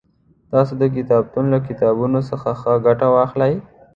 تاسو د کتابتون له کتابونو څخه ښه ګټه واخلئ